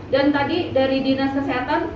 dan tadi dari dinas kesehatan